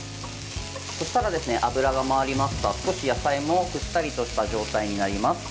そうしたら油が回りましたら少し野菜もくったりとした状態になります。